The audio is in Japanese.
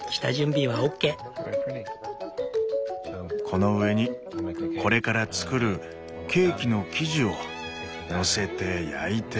この上にこれからつくるケーキの生地をのせて焼いて。